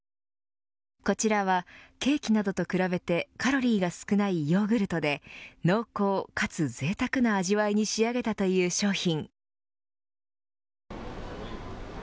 こちらはケーキなどと比べてカロリーが少ないヨーグルトで濃厚かつ、ぜいたくな味わいに仕上げたという商品。